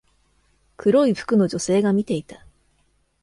黒い服の女性が見ていた